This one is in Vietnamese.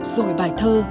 rồi bài thơ